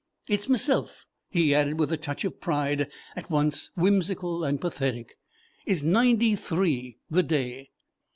It's meself," he added, with a touch of pride at once whimsical and pathetic, "is ninety three the day."